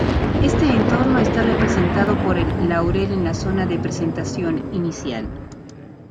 Este entorno está representado por el laurel en la zona de presentación inicial.